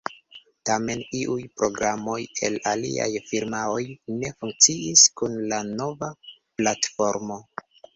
Tamen, iuj programoj el aliaj firmaoj ne funkciis kun la nova platformo.